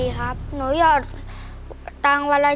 ใช่นักร้องบ้านนอก